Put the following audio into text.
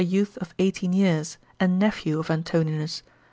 youth of eighteen years, and nephew of Antoiiinus.